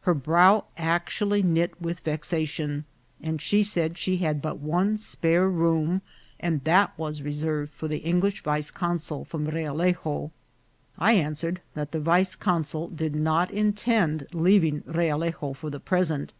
Her brow actually knit with vexation ; and she said she had but one spare room, and that was re served for the English vice consul from Realejo. I an swered that the vice consul did not intend leaving Re alejo for the present.